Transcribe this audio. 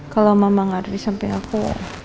kalau mama gak ada di samping aku